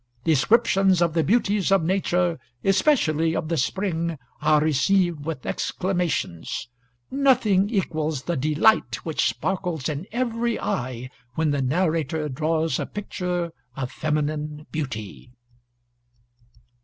Descriptions of the beauties of nature, especially of the spring, are received with exclamations. Nothing equals the delight which sparkles in every eye when the narrator draws a picture of feminine beauty."